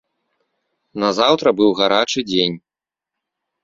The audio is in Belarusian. Назаўтра быў гарачы дзень.